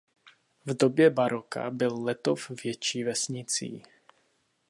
V době baroka byl Letov větší vesnicí.